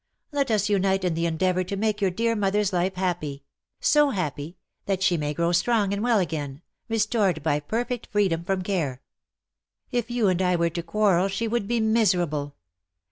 Let ns unite in the endeavour to make j^our dear mother^s life happy — so happy, that she may grow strong and well again — restored by perfect freedom from care. If you and I were to quarrel she would be miserable.